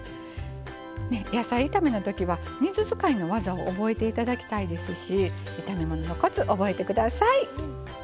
野菜炒めのときは水使いの技を覚えて頂きたいですし炒め物のコツ覚えて下さい。